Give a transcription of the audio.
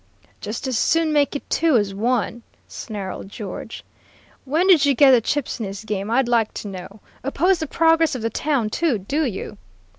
"'Just as soon make it two as one,' snarled George. 'When did you get the chips in this game, I'd like to know? Oppose the progress of the town, too, do you?'